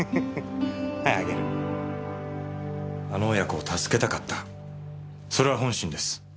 あの親子を助けたかったそれは本心です。